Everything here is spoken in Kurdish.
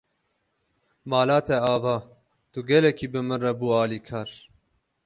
Mala te ava, tu gelekî bi min re bû alîkar.